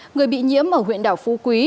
người bị nhiễm ở huyện đảo phú quý